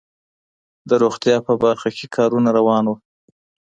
د روغتيا په برخه کي کارونه روان وو.